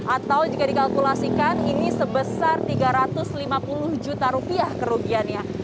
atau jika dikalkulasikan ini sebesar tiga ratus lima puluh juta rupiah kerugiannya